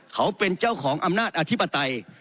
เขาเป็นเจ้าของอำนาจอธิปไตย